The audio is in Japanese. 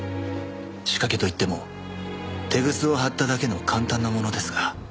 「仕掛けといってもテグスを張っただけの簡単なものですが」